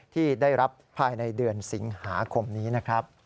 ที่ได้รับภายในเดือนสิงหาคมนี้นะครับ